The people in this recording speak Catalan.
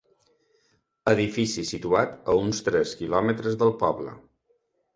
Edifici situat a uns tres quilòmetres del poble.